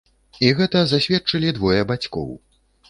І гэта засведчылі двое бацькоў.